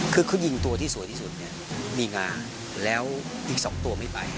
คือเขายิงตัวที่สวยที่สุดเนี่ยมีงาแล้วอีก๒ตัวไม่ไป